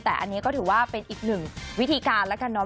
แต่อันนี้ก็ถือว่าเป็นอีกหนึ่งวิธีการแล้วกันเนาะ